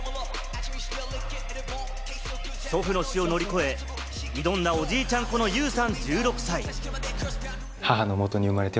祖父の死を乗り越え、挑んだおじいちゃん子のユウさん、１６歳。